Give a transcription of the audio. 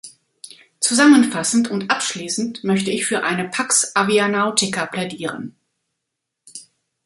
Zusammenfassend und abschließend möchte ich für eine Pax avianautica plädieren.